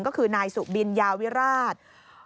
ก็คือนายสุบินยาวิราช